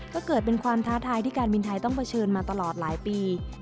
ก็เกิดเป็นความท้าทายที่การบินไทยต้องเผชิญมาตลอดหลายปี